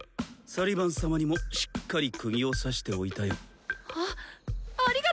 サリバン様にもしっかりくぎを刺しておいたよ。